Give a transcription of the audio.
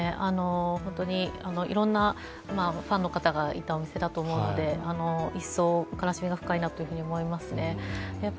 いろんなファンの方がいたお店だと思うので一層、悲しみが深いなと思いますね